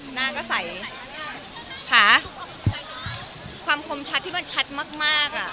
หน้าก็ใส่ขาความคมชัดที่มันชัดมากอ่ะ